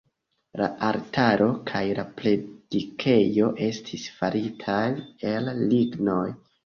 La altaro kaj la predikejo estis faritaj el lignoj.